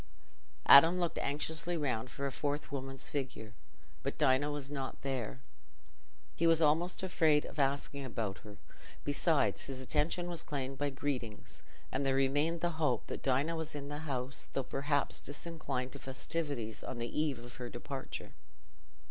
Adam looked anxiously round for a fourth woman's figure, but Dinah was not there. He was almost afraid of asking about her; besides, his attention was claimed by greetings, and there remained the hope that Dinah was in the house, though perhaps disinclined to festivities on the eve of her departure.